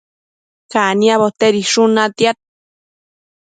caniabo tedishun natiad